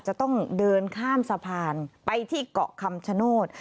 จะต้องเดินข้ามสะพานไปที่เกาะคำชโนธ